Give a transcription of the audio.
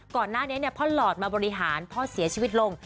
ก่อนหน้านี้พ่อหลอดมาบริหารพ่อเสียชีวิตลง